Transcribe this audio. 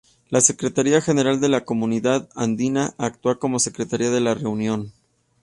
La Secretaría General de la Comunidad Andina actúa como Secretaría de la Reunión.